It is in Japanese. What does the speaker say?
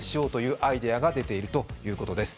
アイデアが出ているということです。